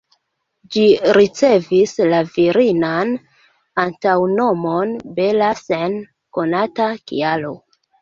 Ĝi ricevis la virinan antaŭnomon ""Bella"" sen konata kialo.